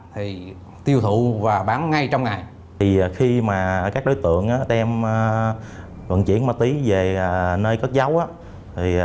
thì tiêu thụ và bán ngay trong ngày thì khi mà các đối tượng đem vận chuyển ma túy về nơi cất dấu thì